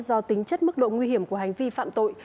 do tính chất mức độ nguy hiểm của hành vi phạm tội